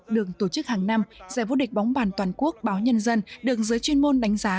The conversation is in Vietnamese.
đường tổ chức hàng năm giải vô địch bóng bàn toàn quốc báo nhân dân được giới chuyên môn đánh giá